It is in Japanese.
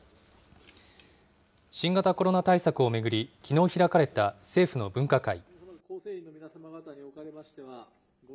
新型コロナ対策を巡り、きのう開かれた政府の分科会。